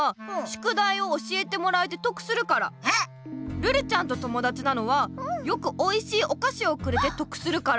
ルルちゃんと友だちなのはよくおいしいお菓子をくれて得するから。